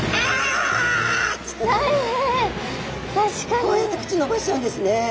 こうやって口伸ばしちゃうんですね。